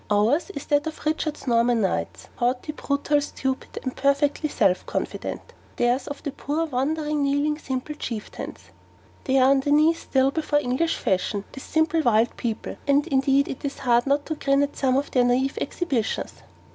Ours is that of Richard's Norman Knights, haughty, brutal stupid, and perfectly self confident; theirs, of the poor, wondering, kneeling, simple chieftains. They are on their knees still before English fashion these simple, wild people; and indeed it is hard not to grin at some of their NAIVE exhibitions.